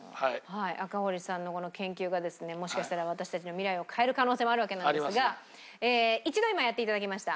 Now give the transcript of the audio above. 赤堀さんのこの研究がですねもしかしたら私たちの未来を変える可能性もあるわけなんですが一度今やって頂きました。